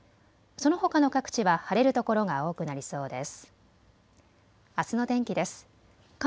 そのほかの各地は晴れるところが多くなりそうです。